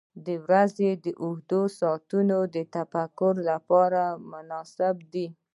• د ورځې اوږده ساعتونه د تفکر لپاره مناسب دي.